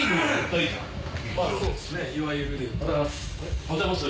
おはようございます。